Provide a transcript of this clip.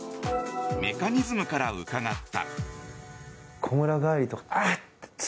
メカニズムから伺った。